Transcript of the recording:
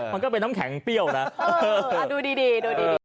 มันก็เป็นน้ำแข็งเปรี้ยวนะดูดีดูดี